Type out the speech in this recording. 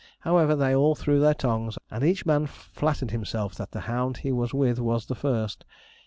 However, they all threw their tongues, and each man flattered himself that the hound he was with was the first.